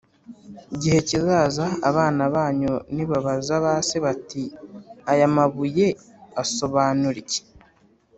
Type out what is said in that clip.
Gihe kizaza abana banyu nibabaza ba se bati aya mabuye asobanura iki